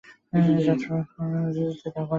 যন্ত্রণাভোগেও একটা আনন্দ আছে, যদি তা পরের জন্য হয়।